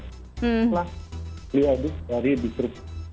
itulah value added dari dpr